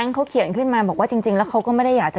เขาเขียนขึ้นมาบอกว่าจริงแล้วเขาก็ไม่ได้อยากจะ